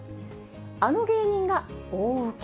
あの芸人が大受け。